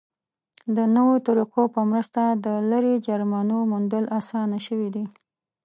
د نویو طریقو په مرسته د لرې جرمونو موندل اسانه شوي دي.